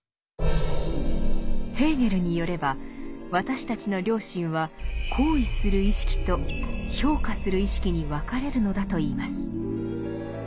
ヘーゲルによれば私たちの良心は「行為する意識」と「評価する意識」に分かれるのだといいます。